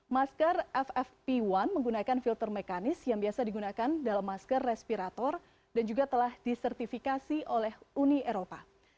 masker ffp satu menggunakan filter mekanis yang biasa digunakan dalam masker respirator dan juga telah disertifikasi oleh uni eropa